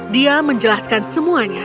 dia menjelaskan semuanya